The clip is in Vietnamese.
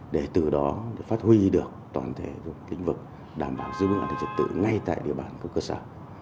để từ đó phát huy được toàn thể lực lượng kinh vực đảm bảo dư vụ an ninh trật tự ngay tại địa bàn của cơ sở